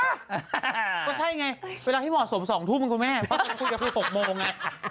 ใช่ไงเวลาที่เหมาะสม๒ทุ่มขอต้อหน่อย